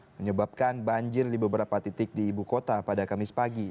menyebabkan banjir di beberapa titik di ibu kota pada kamis pagi